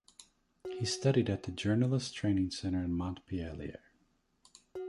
He studied at the Journalists Training Center in Montpellier.